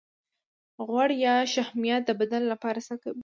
غوړ یا شحمیات د بدن لپاره څه کوي